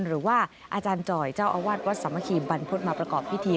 หรือว่าอาจารย์จ่อยเจ้าอาวาสวัดสามัคคีบรรพฤษมาประกอบพิธี